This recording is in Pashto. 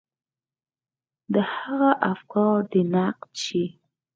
د هغه افکار دې نقد شي.